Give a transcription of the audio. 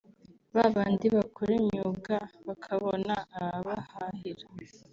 babandi bakora imyuga bakabona ababahahira